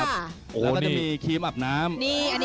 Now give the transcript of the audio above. แล้วก็จะมีครีมอาบน้ำ